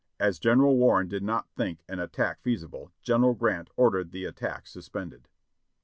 As General Warren did not think an attack feasible. General Grant ordered the at tack suspended."